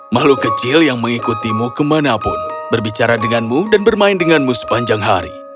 makhluk kecil yang mengikutimu kemanapun berbicara denganmu dan bermain denganmu sepanjang hari